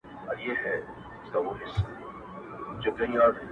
o ځوانان د ازادۍ غږ اخبار ته ګوري حيران,